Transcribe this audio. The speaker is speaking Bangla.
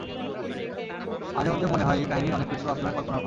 মাঝেমধ্যে মনে হয় এই কাহিনির অনেক কিছু আপনার কল্পনাপ্রসূত।